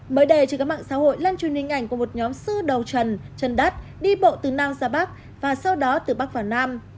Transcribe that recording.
mới đây trên các mạng xã hội lan truyền hình ảnh của một nhóm sư đầu trần chân đất đi bộ từ nam ra bắc và sau đó từ bắc vào nam